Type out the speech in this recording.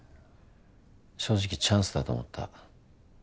正直チャンスだと思った。